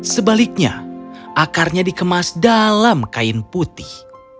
sebaliknya akarnya dikemas dalam kain putih